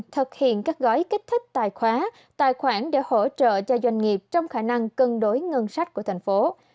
thực hiện các gói kích thích tài khoá tài khoản để hỗ trợ cho doanh nghiệp trong khả năng cân đối ngân sách của thành phố